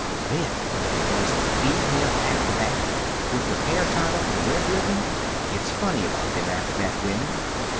Then there was the female acrobat with her hair tied up with red ribbon. It's funny about them acrobat wimmen.